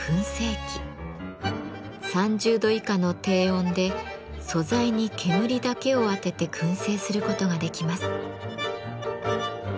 ３０度以下の低温で素材に煙だけを当てて燻製することができます。